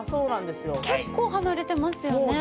結構離れてますよね。